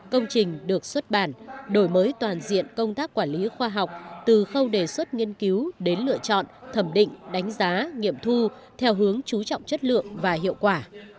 công trình được xuất bản đổi mới toàn diện công tác quản lý khoa học từ khâu đề xuất nghiên cứu đến lựa chọn thẩm định đánh giá nghiệm thu theo hướng chú trọng chất lượng và hiệu quả